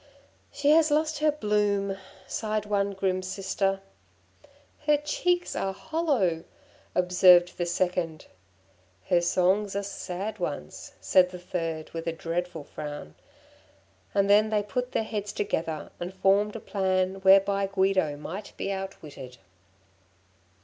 'She has lost her bloom!' sighed one grim sister. 'Her cheeks are hollow!' observed the second. 'Her songs are sad ones!' said the third with a dreadful frown. And then they put their heads together, and formed a plan whereby Guido might be outwitted.